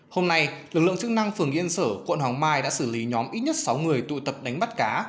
hôm nay lực lượng chức năng phường yên sở quận hoàng mai đã xử lý nhóm ít nhất sáu người tụ tập đánh bắt cá